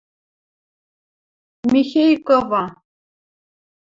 Михей кыва.